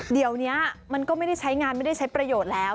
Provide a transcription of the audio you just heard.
เดี๋ยวนี้มันก็ไม่ได้ใช้งานไม่ได้ใช้ประโยชน์แล้ว